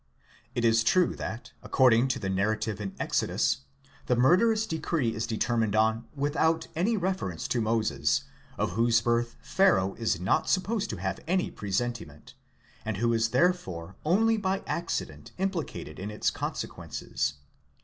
It is true that, accord ing to the narrative in Exodus, the murderous decree is determined on with out any reference to Moses, of whose birth Pharaoh is not supposed to have _had any presentiment, and who is therefore only by accident implicated in its consequences.